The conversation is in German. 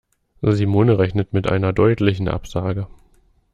Simone rechnet mit einer deutlichen Absage.